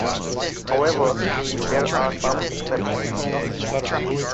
However, there are some exceptions.